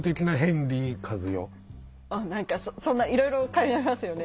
何かそんないろいろ考えますよね。